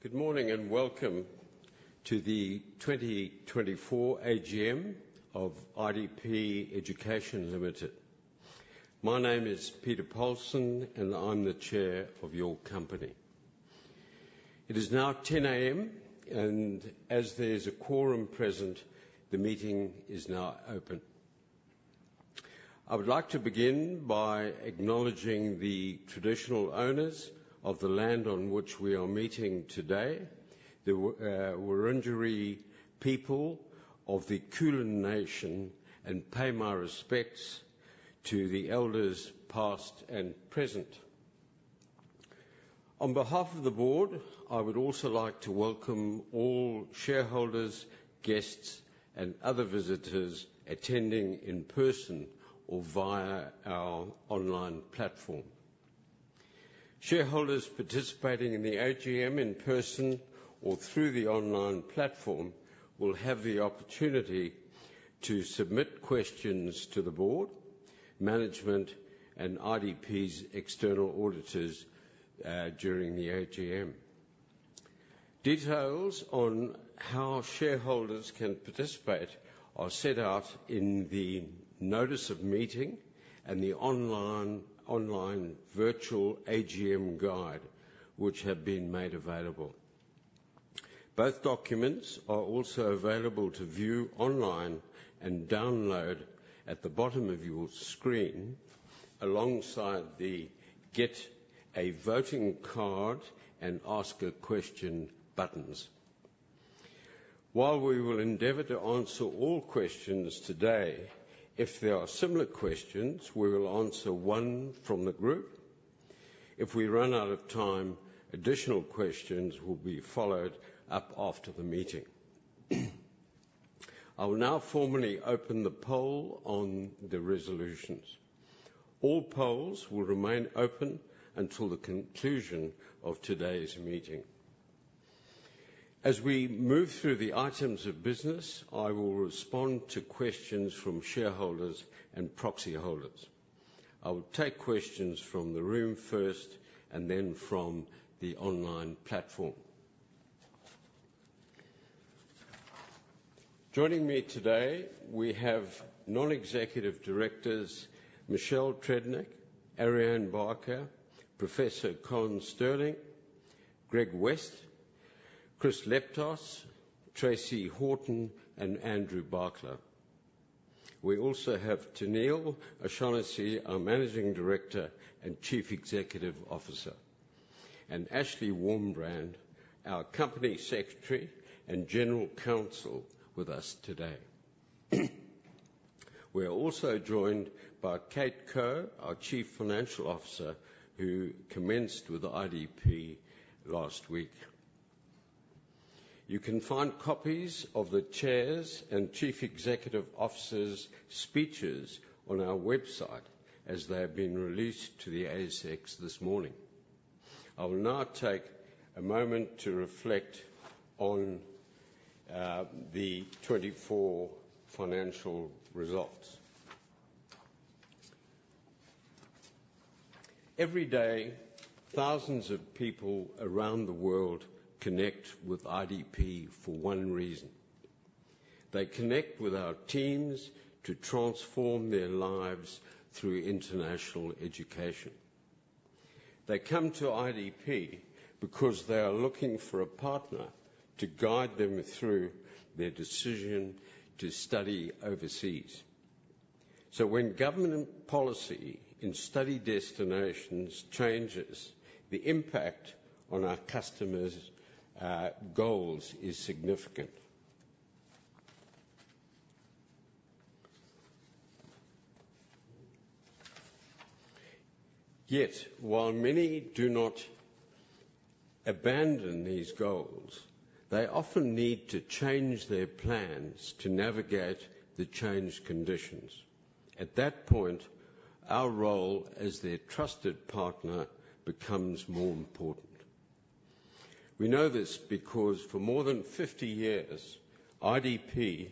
Good morning, and welcome to the 2024 AGM of IDP Education Limited. My name is Peter Polson, and I'm the Chair of your company. It is now 10:00 A.M., and as there's a quorum present, the meeting is now open. I would like to begin by acknowledging the traditional owners of the land on which we are meeting today, the Wurundjeri people of the Kulin Nation, and pay my respects to the elders, past and present. On behalf of the board, I would also like to welcome all shareholders, guests, and other visitors attending in person or via our online platform. Shareholders participating in the AGM in person or through the online platform will have the opportunity to submit questions to the board, management, and IDP's external auditors during the AGM. Details on how shareholders can participate are set out in the notice of meeting and the online virtual AGM guide, which have been made available. Both documents are also available to view online and download at the bottom of your screen, alongside the Get a Voting Card and Ask a Question buttons. While we will endeavor to answer all questions today, if there are similar questions, we will answer one from the group. If we run out of time, additional questions will be followed up after the meeting. I will now formally open the poll on the resolutions. All polls will remain open until the conclusion of today's meeting. As we move through the items of business, I will respond to questions from shareholders and proxy holders. I will take questions from the room first and then from the online platform. Joining me today, we have Non-Executive Directors Michelle Tredenick, Ariane Barker, Professor Colin Stirling, Greg West, Chris Leptos, Tracey Horton, and Andrew Barkla. We also have Tenneale O'Shannessy, our Managing Director and Chief Executive Officer, and Ashley Warmbrand, our Company Secretary and General Counsel, with us today. We are also joined by Kate Koch, our Chief Financial Officer, who commenced with IDP last week. You can find copies of the Chairs and Chief Executive Officers speeches on our website as they have been released to the ASX this morning. I will now take a moment to reflect on the twenty-four financial results. Every day, thousands of people around the world connect with IDP for one reason: They connect with our teams to transform their lives through international education. They come to IDP because they are looking for a partner to guide them through their decision to study overseas. So when government policy in study destinations changes, the impact on our customers' goals is significant. Yet, while many do not abandon these goals, they often need to change their plans to navigate the changed conditions. At that point, our role as their trusted partner becomes more important. We know this because, for more than fifty years, IDP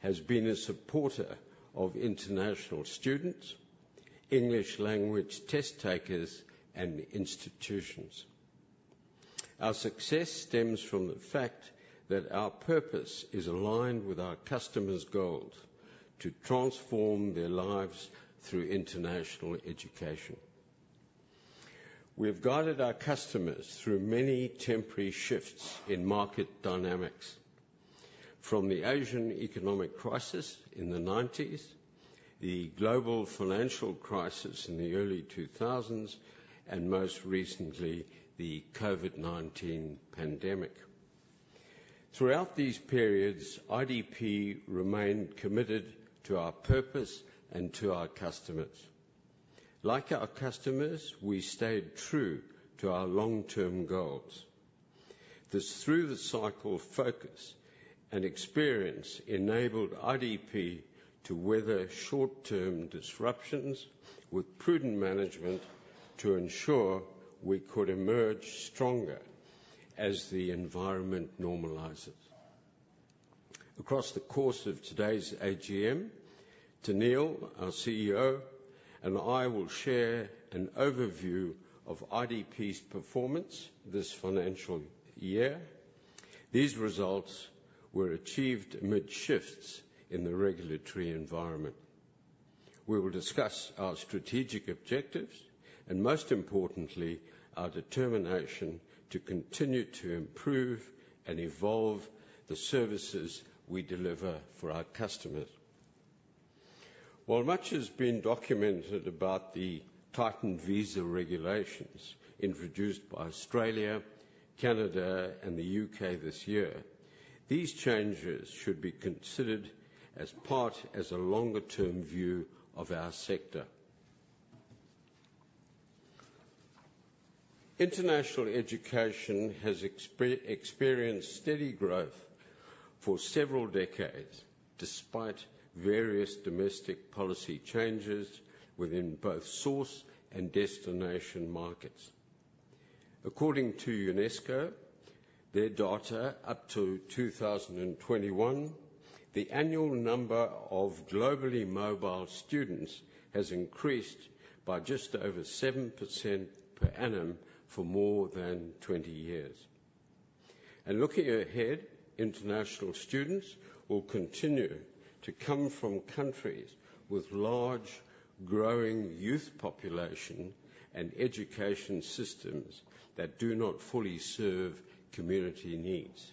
has been a supporter of international students, English language test takers, and institutions. Our success stems from the fact that our purpose is aligned with our customers' goals: to transform their lives through international education. We have guided our customers through many temporary shifts in market dynamics, from the Asian economic crisis in the nineties, the global financial crisis in the early two thousands, and most recently, the COVID-19 pandemic. Throughout these periods, IDP remained committed to our purpose and to our customers. Like our customers, we stayed true to our long-term goals. This through-the-cycle focus and experience enabled IDP to weather short-term disruptions with prudent management to ensure we could emerge stronger as the environment normalizes. Across the course of today's AGM, Tenneale, our CEO, and I will share an overview of IDP's performance this financial year. These results were achieved amid shifts in the regulatory environment. We will discuss our strategic objectives and, most importantly, our determination to continue to improve and evolve the services we deliver for our customers. While much has been documented about the tightened visa regulations introduced by Australia, Canada, and the U.K. this year, these changes should be considered as part of a longer-term view of our sector. International education has experienced steady growth for several decades, despite various domestic policy changes within both source and destination markets. According to UNESCO, their data up to 2021, the annual number of globally mobile students has increased by just over 7% per annum for more than 20 years, and looking ahead, international students will continue to come from countries with large, growing youth population and education systems that do not fully serve community needs.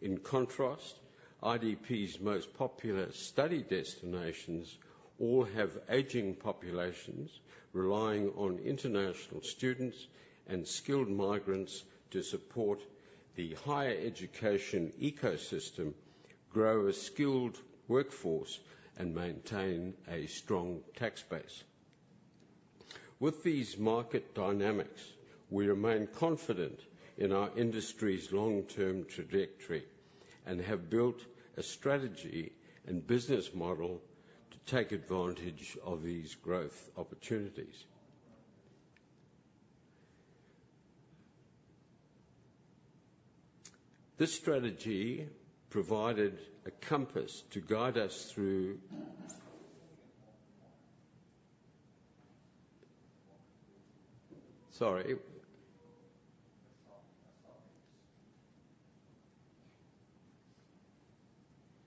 In contrast, IDP's most popular study destinations all have aging populations, relying on international students and skilled migrants to support the higher education ecosystem, grow a skilled workforce, and maintain a strong tax base. With these market dynamics, we remain confident in our industry's long-term trajectory and have built a strategy and business model to take advantage of these growth opportunities. This strategy provided a compass to guide us through... Sorry.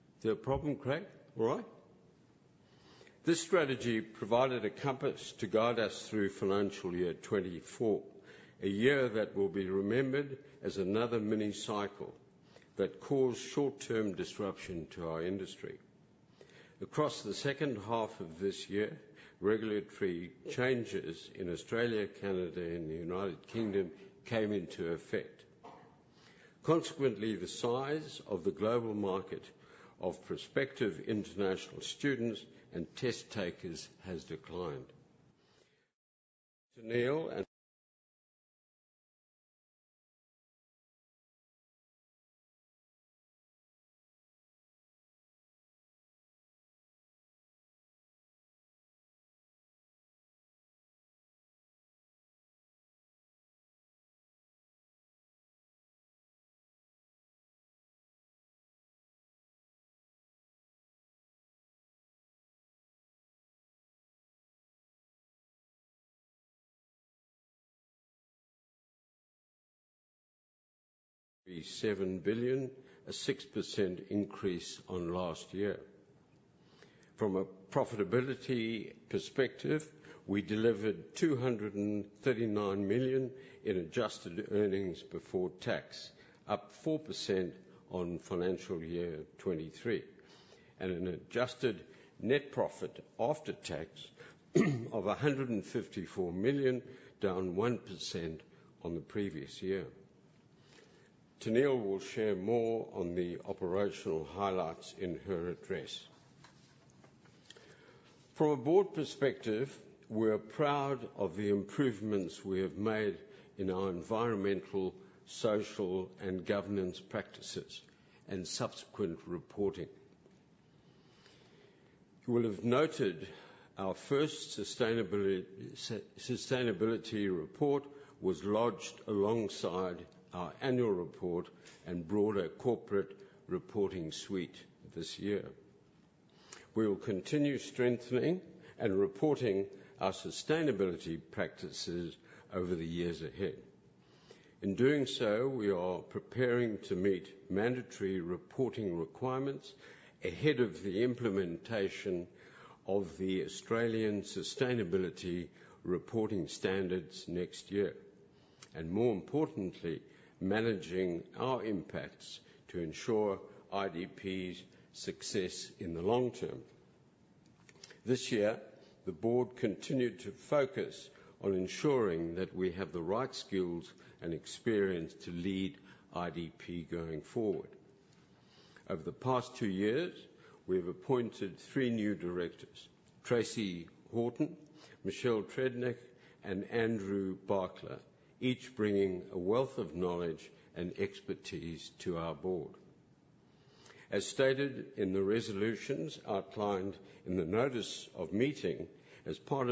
Is there a problem, Craig? All right. This strategy provided a compass to guide us through financial year 2024, a year that will be remembered as another mini cycle that caused short-term disruption to our industry. Across the second half of this year, regulatory changes in Australia, Canada, and the United Kingdom came into effect. Consequently, the size of the global market of prospective international students and test takers has declined. Tenneale seven billion, a 6% increase on last year. From a profitability perspective, we delivered 239 million in adjusted earnings before tax, up 4% on financial year 2023, and an adjusted net profit after tax, of 154 million, down 1% on the previous year. Tenneale will share more on the operational highlights in her address. From a board perspective, we are proud of the improvements we have made in our environmental, social, and governance practices and subsequent reporting. You will have noted our first sustainability report was lodged alongside our annual report and broader corporate reporting suite this year. We will continue strengthening and reporting our sustainability practices over the years ahead. In doing so, we are preparing to meet mandatory reporting requirements ahead of the implementation of the Australian Sustainability Reporting Standards next year, and more importantly, managing our impacts to ensure IDP's success in the long term. This year, the board continued to focus on ensuring that we have the right skills and experience to lead IDP going forward. Over the past two years, we've appointed three new directors: Tracey Horton, Michelle Tredenick, and Andrew Barkla, each bringing a wealth of knowledge and expertise to our board. As stated in the resolutions outlined in the notice of meeting, as part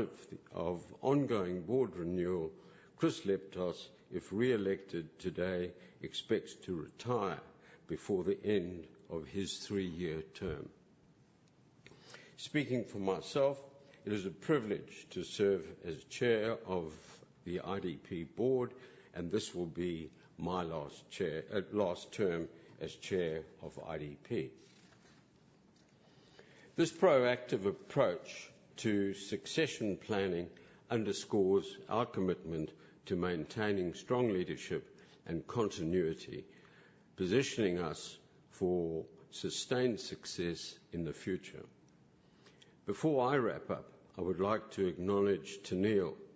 of ongoing board renewal, Chris Leptos, if reelected today, expects to retire before the end of his three-year term. Speaking for myself, it is a privilege to serve as chair of the IDP board, and this will be my last term as chair of IDP. This proactive approach to succession planning underscores our commitment to maintaining strong leadership and continuity, positioning us for sustained success in the future. Before I wrap up, I would like to acknowledge Tenneale, our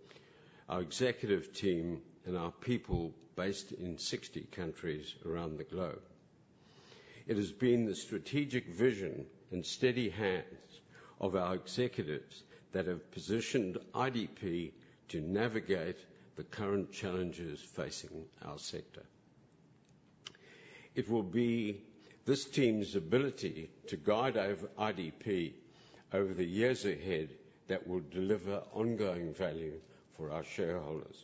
executive team, and our people based in 60 countries around the globe. It has been the strategic vision and steady hands of our executives that have positioned IDP to navigate the current challenges facing our sector. It will be this team's ability to guide IDP over the years ahead that will deliver ongoing value for our shareholders.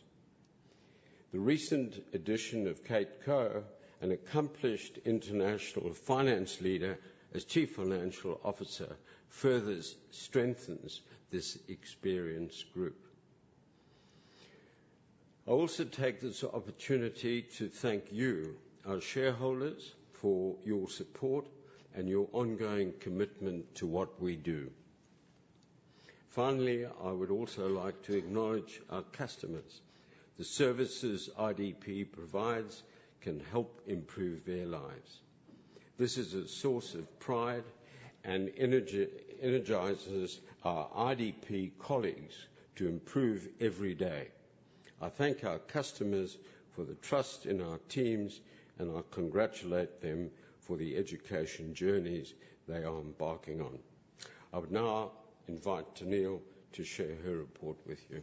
The recent addition of Kate Koch an accomplished international finance leader as Chief Financial Officer, further strengthens this experienced group. I also take this opportunity to thank you, our shareholders, for your support and your ongoing commitment to what we do. Finally, I would also like to acknowledge our customers. The services IDP provides can help improve their lives. This is a source of pride and energizes our IDP colleagues to improve every day. I thank our customers for the trust in our teams, and I congratulate them for the education journeys they are embarking on. I would now invite Tenneale to share her report with you.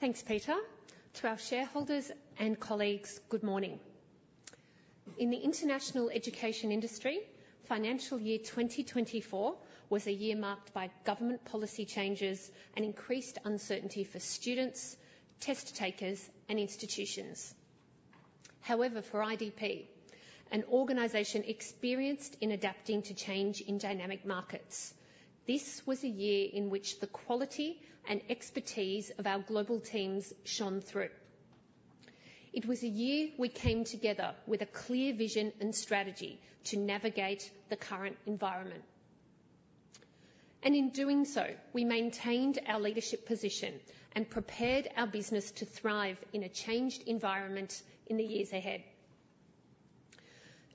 Thanks, Peter. To our shareholders and colleagues, good morning. In the international education industry, financial year 2024 was a year marked by government policy changes and increased uncertainty for students, test takers, and institutions. However, for IDP, an organization experienced in adapting to change in dynamic markets, this was a year in which the quality and expertise of our global teams shone through. It was a year we came together with a clear vision and strategy to navigate the current environment, and in doing so, we maintained our leadership position and prepared our business to thrive in a changed environment in the years ahead.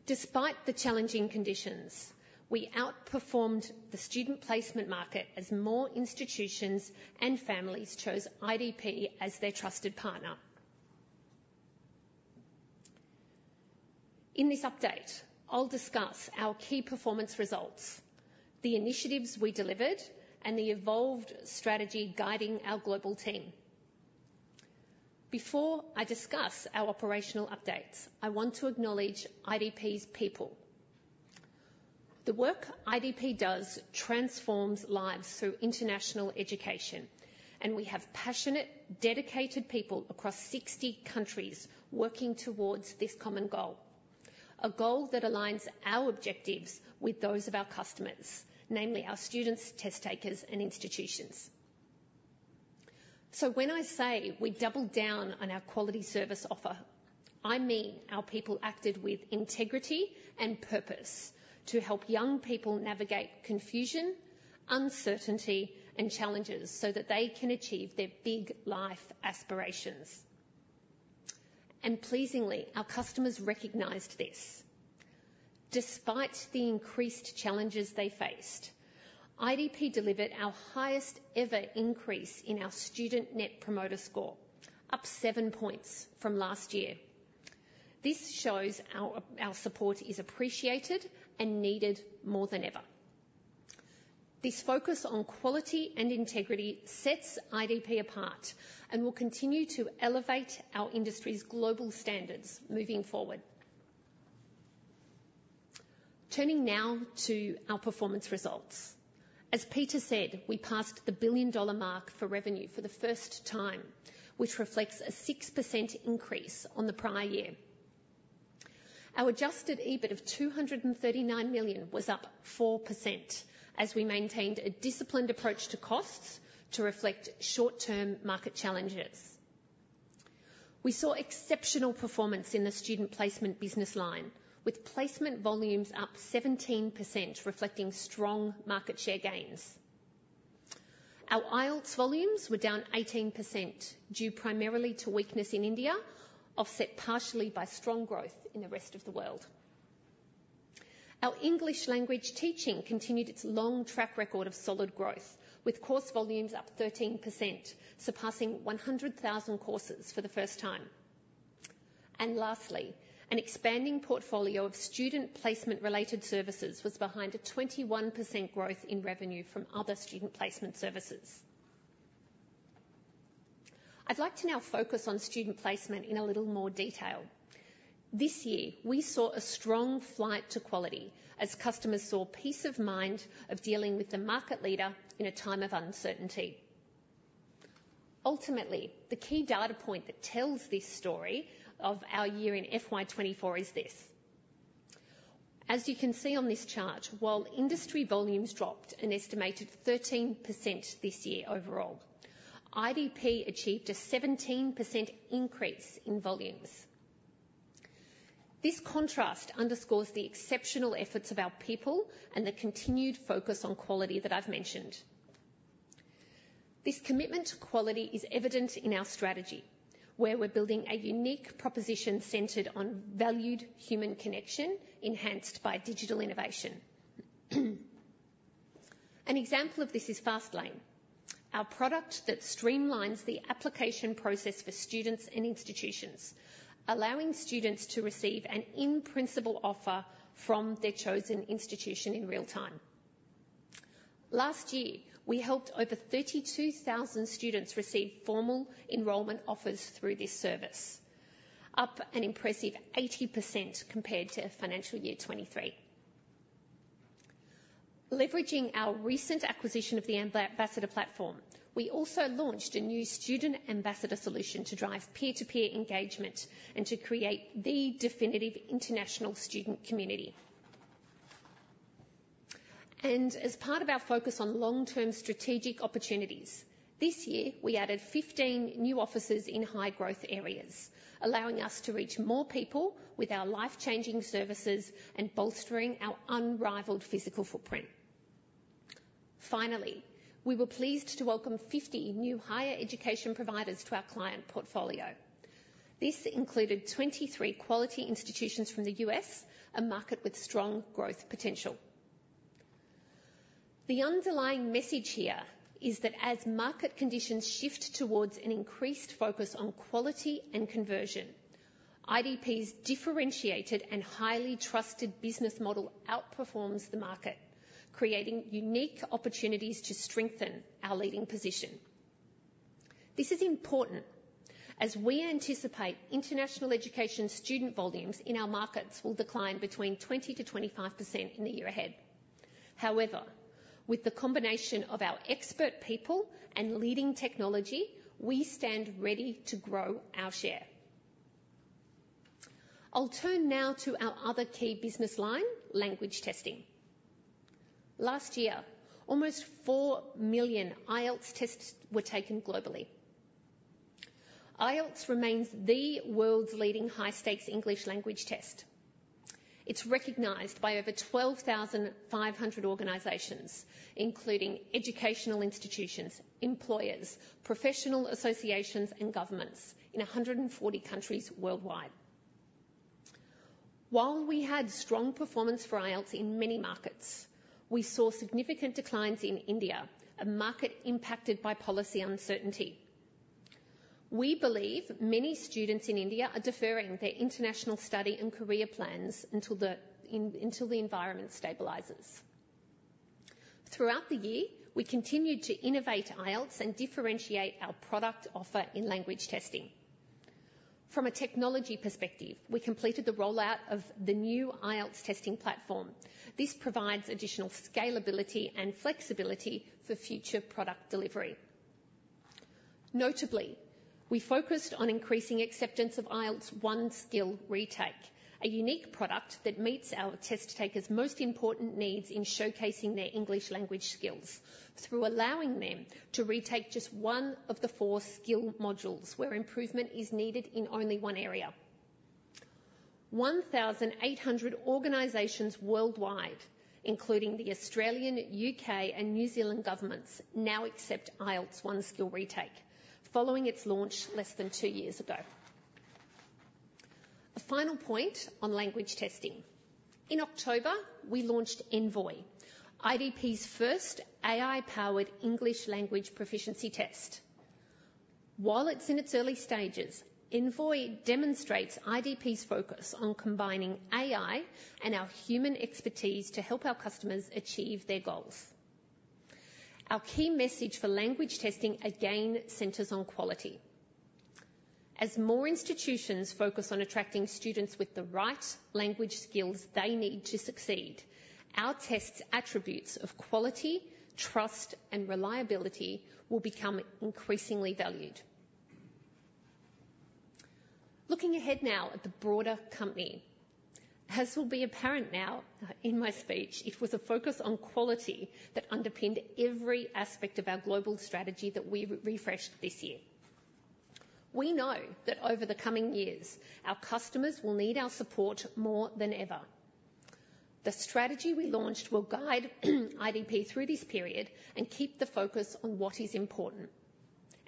Despite the challenging conditions, we outperformed the student placement market as more institutions and families chose IDP as their trusted partner. In this update, I'll discuss our key performance results, the initiatives we delivered, and the evolved strategy guiding our global team. Before I discuss our operational updates, I want to acknowledge IDP's people. The work IDP does transforms lives through international education, and we have passionate, dedicated people across sixty countries working towards this common goal. A goal that aligns our objectives with those of our customers, namely our students, test takers, and institutions, so when I say we doubled down on our quality service offer, I mean our people acted with integrity and purpose to help young people navigate confusion, uncertainty, and challenges so that they can achieve their big life aspirations, and pleasingly, our customers recognized this. Despite the increased challenges they faced, IDP delivered our highest ever increase in our student Net Promoter Score, up seven points from last year. This shows our support is appreciated and needed more than ever. This focus on quality and integrity sets IDP apart and will continue to elevate our industry's global standards moving forward. Turning now to our performance results. As Peter said, we passed the 1 billion mark for revenue for the first time, which reflects a 6% increase on the prior year. Our adjusted EBIT of 239 million was up 4%, as we maintained a disciplined approach to costs to reflect short-term market challenges. We saw exceptional performance in the student placement business line, with placement volumes up 17%, reflecting strong market share gains. Our IELTS volumes were down 18%, due primarily to weakness in India, offset partially by strong growth in the rest of the world. Our English language teaching continued its long track record of solid growth, with course volumes up 13%, surpassing 100,000 courses for the first time. And lastly, an expanding portfolio of student placement related services was behind a 21% growth in revenue from other student placement services. I'd like to now focus on student placement in a little more detail. This year, we saw a strong flight to quality as customers saw peace of mind of dealing with the market leader in a time of uncertainty. Ultimately, the key data point that tells this story of our year in FY 2024 is this: As you can see on this chart, while industry volumes dropped an estimated 13% this year overall, IDP achieved a 17% increase in volumes. This contrast underscores the exceptional efforts of our people and the continued focus on quality that I've mentioned. This commitment to quality is evident in our strategy, where we're building a unique proposition centered on valued human connection, enhanced by digital innovation. An example of this is FastLane, our product that streamlines the application process for students and institutions, allowing students to receive an in-principle offer from their chosen institution in real time. Last year, we helped over 32,000 students receive formal enrollment offers through this service, up an impressive 80% compared to financial year 2023. Leveraging our recent acquisition of the Ambassador Platform, we also launched a new student ambassador solution to drive peer-to-peer engagement and to create the definitive international student community. And as part of our focus on long-term strategic opportunities, this year we added 15 new offices in high-growth areas, allowing us to reach more people with our life-changing services and bolstering our unrivaled physical footprint. Finally, we were pleased to welcome 50 new higher education providers to our client portfolio. This included 23 quality institutions from the U.S., a market with strong growth potential. The underlying message here is that as market conditions shift towards an increased focus on quality and conversion, IDP's differentiated and highly trusted business model outperforms the market, creating unique opportunities to strengthen our leading position. This is important as we anticipate international education student volumes in our markets will decline between 20 to 25% in the year ahead. However, with the combination of our expert people and leading technology, we stand ready to grow our share. I'll turn now to our other key business line, language testing. Last year, almost four million IELTS tests were taken globally. IELTS remains the world's leading high-stakes English language test. It's recognized by over 12,500 organizations, including educational institutions, employers, professional associations, and governments in 140 countries worldwide. While we had strong performance for IELTS in many markets, we saw significant declines in India, a market impacted by policy uncertainty. We believe many students in India are deferring their international study and career plans until the environment stabilizes. Throughout the year, we continued to innovate IELTS and differentiate our product offer in language testing. From a technology perspective, we completed the rollout of the new IELTS testing platform. This provides additional scalability and flexibility for future product delivery. Notably, we focused on increasing acceptance of IELTS One Skill Retake, a unique product that meets our test takers' most important needs in showcasing their English language skills, through allowing them to retake just one of the four skill modules, where improvement is needed in only one area. 1,800 organizations worldwide, including the Australian, U.K., and New Zealand governments, now accept IELTS One Skill Retake, following its launch less than two years ago. A final point on language testing. In October, we launched Envoy, IDP's first AI-powered English language proficiency test. While it's in its early stages, Envoy demonstrates IDP's focus on combining AI and our human expertise to help our customers achieve their goals. Our key message for language testing, again, centers on quality. As more institutions focus on attracting students with the right language skills they need to succeed, our test's attributes of quality, trust, and reliability will become increasingly valued. Looking ahead now at the broader company, as will be apparent now, in my speech, it was a focus on quality that underpinned every aspect of our global strategy that we refreshed this year. We know that over the coming years, our customers will need our support more than ever. The strategy we launched will guide IDP through this period and keep the focus on what is important: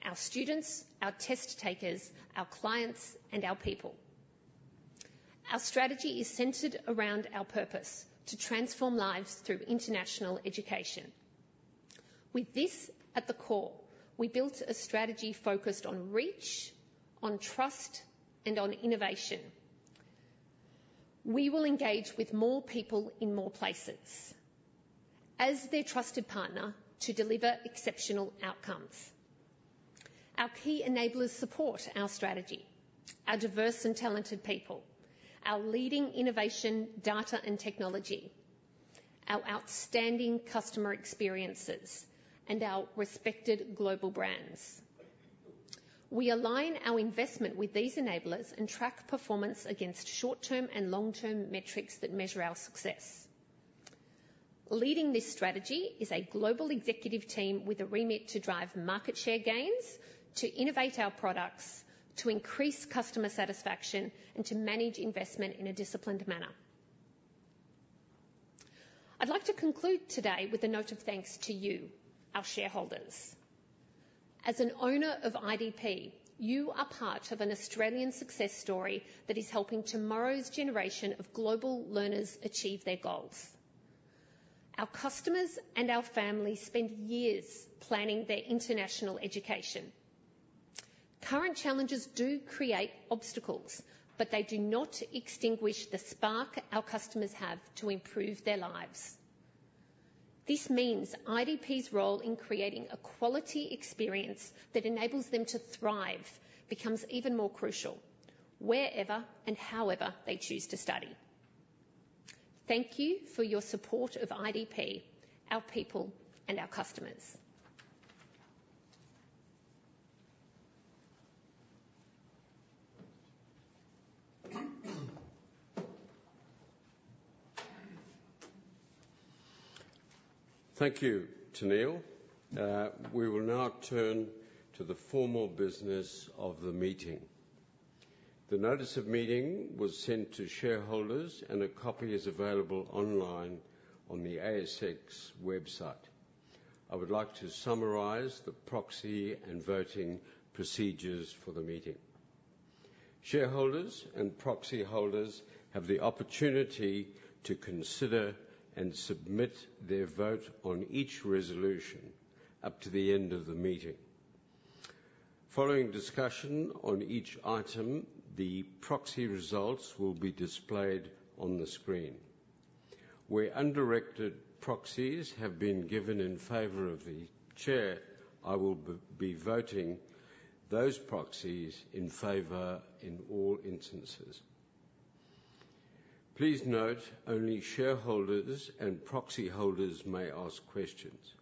our students, our test takers, our clients, and our people. Our strategy is centered around our purpose: to transform lives through international education. With this at the core, we built a strategy focused on reach, on trust, and on innovation. We will engage with more people in more places as their trusted partner to deliver exceptional outcomes.... Our key enablers support our strategy, our diverse and talented people, our leading innovation data and technology, our outstanding customer experiences, and our respected global brands. We align our investment with these enablers and track performance against short-term and long-term metrics that measure our success. Leading this strategy is a global executive team with a remit to drive market share gains, to innovate our products, to increase customer satisfaction, and to manage investment in a disciplined manner. I'd like to conclude today with a note of thanks to you, our shareholders. As an owner of IDP, you are part of an Australian success story that is helping tomorrow's generation of global learners achieve their goals. Our customers and our families spend years planning their international education. Current challenges do create obstacles, but they do not extinguish the spark our customers have to improve their lives. This means IDP's role in creating a quality experience that enables them to thrive becomes even more crucial, wherever and however they choose to study. Thank you for your support of IDP, our people, and our customers. Thank you, Tenneale. We will now turn to the formal business of the meeting. The notice of meeting was sent to shareholders, and a copy is available online on the ASX website. I would like to summarize the proxy and voting procedures for the meeting. Shareholders and proxy holders have the opportunity to consider and submit their vote on each resolution up to the end of the meeting. Following discussion on each item, the proxy results will be displayed on the screen. Where undirected proxies have been given in favor of the chair, I will be voting those proxies in favor in all instances. Please note, only shareholders and proxy holders may ask questions.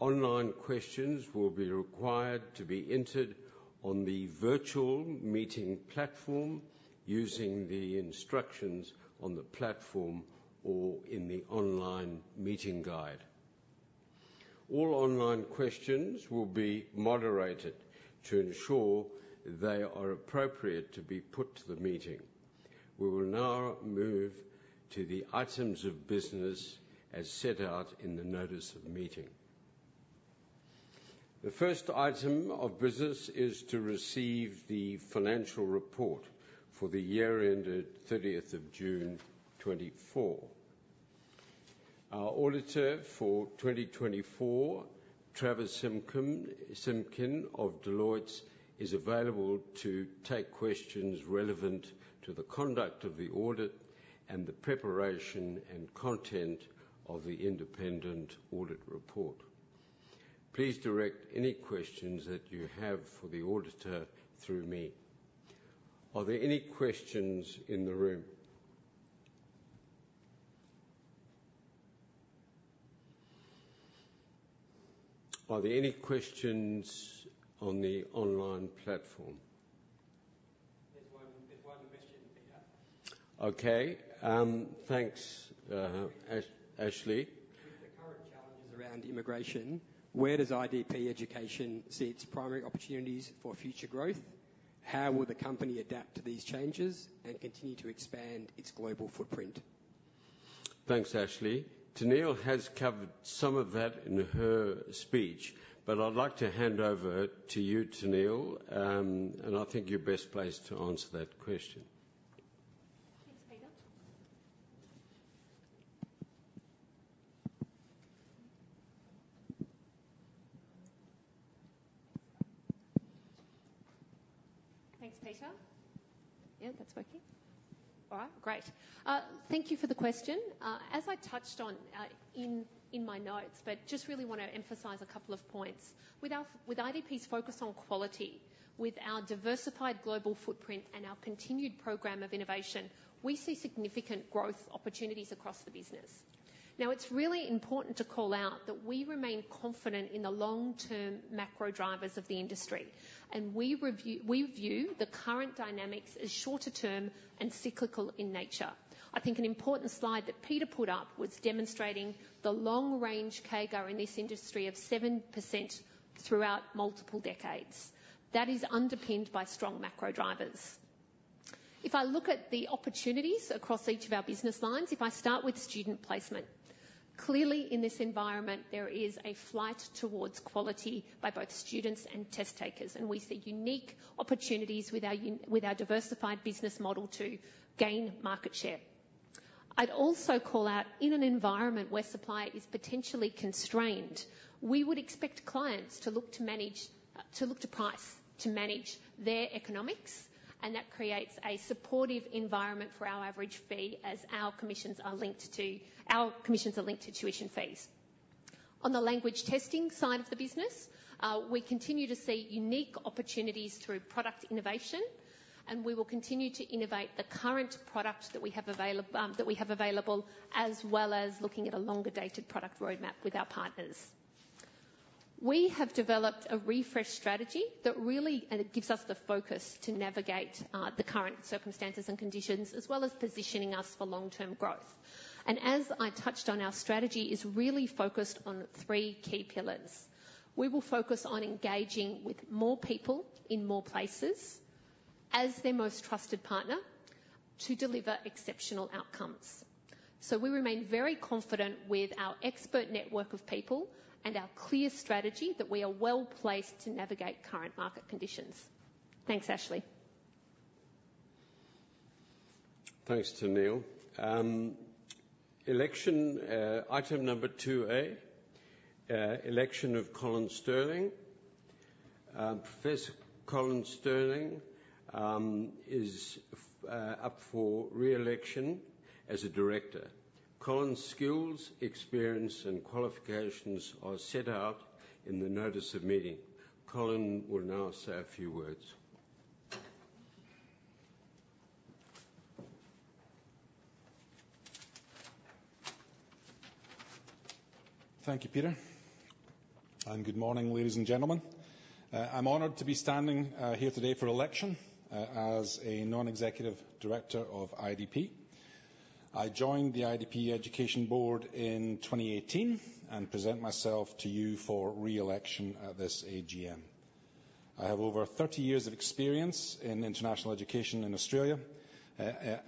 Online questions will be required to be entered on the virtual meeting platform using the instructions on the platform or in the online meeting guide. All online questions will be moderated to ensure they are appropriate to be put to the meeting. We will now move to the items of business as set out in the notice of the meeting. The first item of business is to receive the financial report for the year ended thirtieth of June, 2024. Our auditor for 2024, Travis Simkin of Deloitte, is available to take questions relevant to the conduct of the audit and the preparation and content of the independent audit report. Please direct any questions that you have for the auditor through me. Are there any questions in the room? Are there any questions on the online platform? There's one. There's one question, Peter. Okay, thanks, Ashley. With the current challenges around immigration, where does IDP Education see its primary opportunities for future growth? How will the company adapt to these changes and continue to expand its global footprint? Thanks, Ashley. Tenneale has covered some of that in her speech, but I'd like to hand over to you, Tenneale, and I think you're best placed to answer that question. Thanks, Peter. Yeah, that's working. All right, great. Thank you for the question. As I touched on in my notes, but just really want to emphasize a couple of points. With IDP's focus on quality, with our diversified global footprint and our continued program of innovation, we see significant growth opportunities across the business. Now, it's really important to call out that we remain confident in the long-term macro drivers of the industry, and we view the current dynamics as shorter term and cyclical in nature. I think an important slide that Peter put up was demonstrating the long range CAGR in this industry of 7% throughout multiple decades. That is underpinned by strong macro drivers. If I look at the opportunities across each of our business lines, if I start with student placement, clearly in this environment, there is a flight towards quality by both students and test takers, and we see unique opportunities with our diversified business model to gain market share. I'd also call out, in an environment where supply is potentially constrained, we would expect clients to look to manage, to look to price to manage their economics, and that creates a supportive environment for our average fee as our commissions are linked to tuition fees. On the language testing side of the business, we continue to see unique opportunities through product innovation, and we will continue to innovate the current product that we have available, as well as looking at a longer-dated product roadmap with our partners. We have developed a refresh strategy that really and it gives us the focus to navigate the current circumstances and conditions, as well as positioning us for long-term growth, and as I touched on, our strategy is really focused on three key pillars. We will focus on engaging with more people in more places, as their most trusted partner, to deliver exceptional outcomes, so we remain very confident with our expert network of people and our clear strategy that we are well placed to navigate current market conditions. Thanks, Ashley. Thanks, Tenneale. Election, item number two A, election of Colin Stirling. Professor Colin Stirling is up for re-election as a director. Colin's skills, experience, and qualifications are set out in the notice of meeting. Colin will now say a few words. Thank you, Peter, and good morning, ladies and gentlemen. I'm honored to be standing here today for election as a non-executive director of IDP. I joined the IDP education board in 2018 and present myself to you for re-election at this AGM. I have over thirty years of experience in international education in Australia,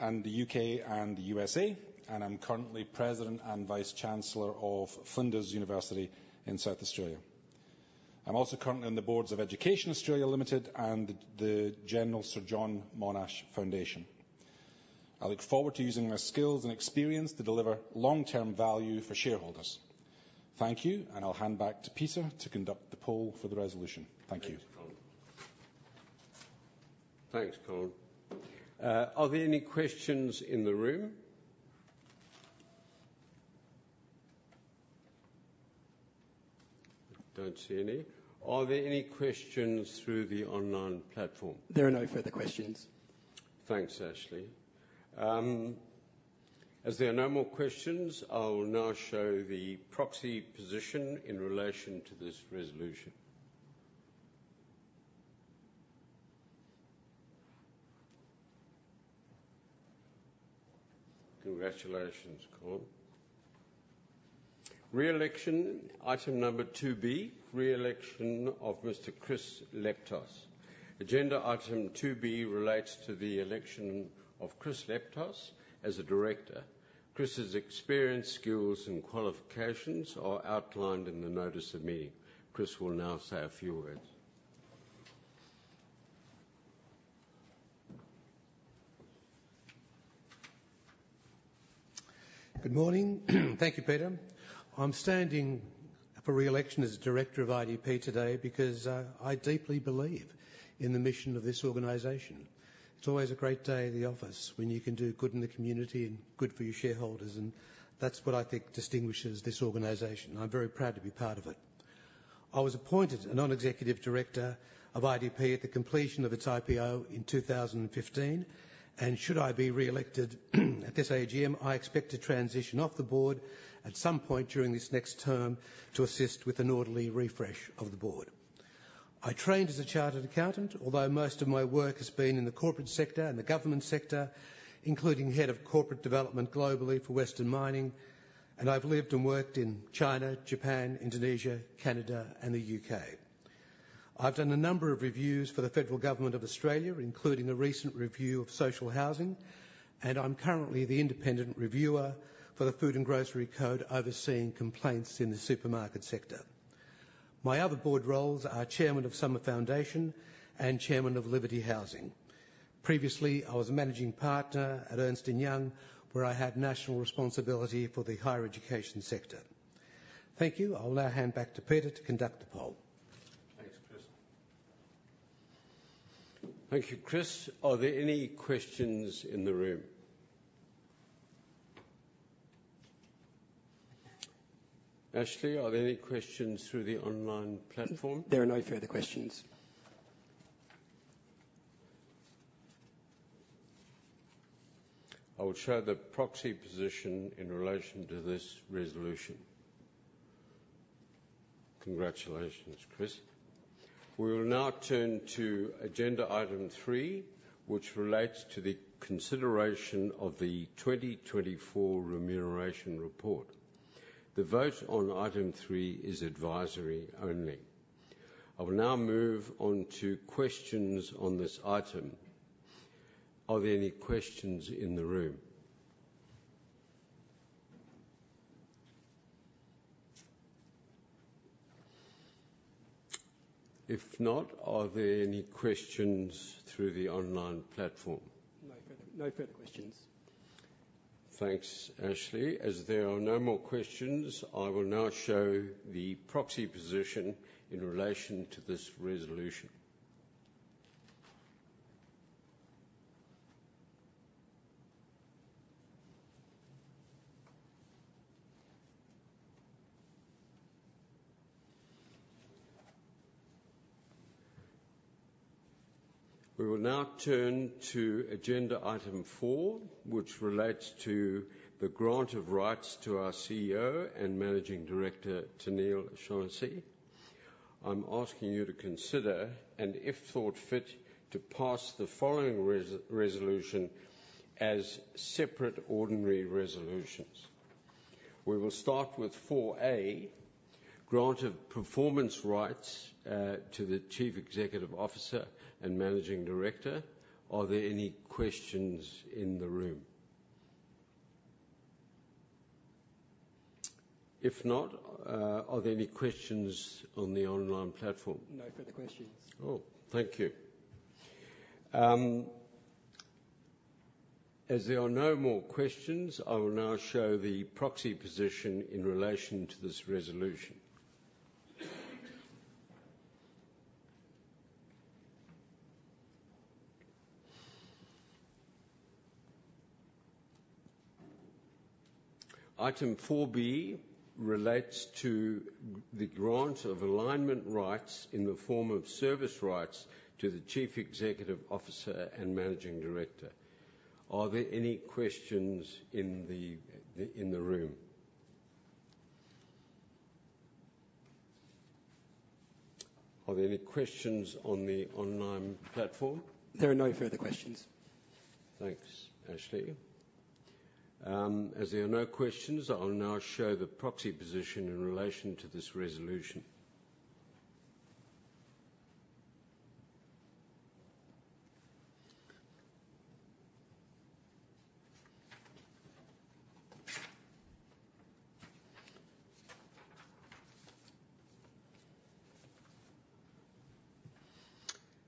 and the U.K. and USA, and I'm currently President and Vice Chancellor of Flinders University in South Australia. I'm also currently on the boards of Education Australia Limited and the General Sir John Monash Foundation. I look forward to using my skills and experience to deliver long-term value for shareholders. Thank you, and I'll hand back to Peter to conduct the poll for the resolution. Thank you. Thanks, Colin. Thanks, Colin. Are there any questions in the room? Don't see any. Are there any questions through the online platform? There are no further questions. Thanks, Ashley. As there are no more questions, I will now show the proxy position in relation to this resolution. Congratulations, Colin. Re-election, item number two B, re-election of Mr Chris Leptos. Agenda item two B relates to the election of Chris Leptos as a director. Chris's experience, skills, and qualifications are outlined in the notice of meeting. Chris will now say a few words. Good morning. Thank you, Peter. I'm standing for re-election as Director of IDP today because I deeply believe in the mission of this organization. It's always a great day in the office when you can do good in the community and good for your shareholders, and that's what I think distinguishes this organization. I'm very proud to be part of it. I was appointed a non-executive director of IDP at the completion of its IPO in 2015, and should I be re-elected at this AGM, I expect to transition off the board at some point during this next term to assist with an orderly refresh of the board. I trained as a chartered accountant, although most of my work has been in the corporate sector and the government sector, including Head of Corporate Development globally for Western Mining, and I've lived and worked in China, Japan, Indonesia, Canada, and the U.K. I've done a number of reviews for the federal government of Australia, including a recent review of social housing, and I'm currently the independent reviewer for the Food and Grocery Code, overseeing complaints in the supermarket sector. My other board roles are Chairman of Summer Foundation and Chairman of Liverty Housing. Previously, I was a Managing Partner at Ernst & Young, where I had national responsibility for the higher education sector. Thank you. I'll now hand back to Peter to conduct the poll. Thanks, Chris. Thank you, Chris. Are there any questions in the room? Ashley, are there any questions through the online platform? There are no further questions. I will show the proxy position in relation to this resolution. Congratulations, Chris. We will now turn to agenda item three, which relates to the consideration of the 2024 remuneration report. The vote on item three is advisory only. I will now move on to questions on this item. Are there any questions in the room? If not, are there any questions through the online platform? No further questions. ... Thanks, Ashley. As there are no more questions, I will now show the proxy position in relation to this resolution. We will now turn to agenda item four, which relates to the grant of rights to our Chief Executive Officer and Managing Director, Tennealle O'Shannessy. I'm asking you to consider, and if thought fit, to pass the following resolution as separate ordinary resolutions. We will start with four A, grant of performance rights to the Chief Executive Officer and Managing Director. Are there any questions in the room? If not, are there any questions on the online platform? No further questions. Oh, thank you. As there are no more questions, I will now show the proxy position in relation to this resolution. Item four B relates to the grant of alignment rights in the form of service rights to the Chief Executive Officer and Managing Director. Are there any questions in the room? Are there any questions on the online platform? There are no further questions. Thanks, Ashley. As there are no questions, I'll now show the proxy position in relation to this resolution.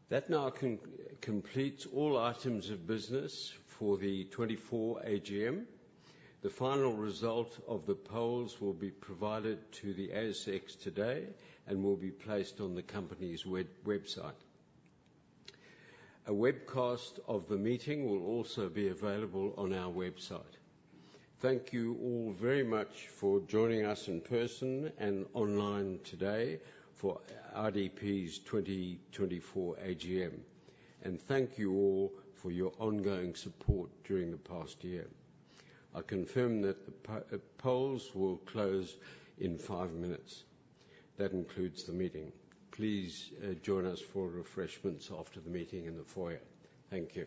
That now completes all items of business for the 2024 AGM. The final result of the polls will be provided to the ASX today and will be placed on the company's website. A webcast of the meeting will also be available on our website. Thank you all very much for joining us in person and online today for IDP's 2024 AGM. Thank you all for your ongoing support during the past year. I confirm that the polls will close in five minutes. That includes the meeting. Please join us for refreshments after the meeting in the foyer. Thank you.